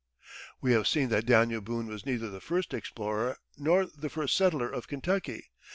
] We have seen that Daniel Boone was neither the first explorer nor the first settler of Kentucky.